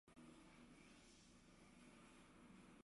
伊芝诺生于巴西萨尔瓦多。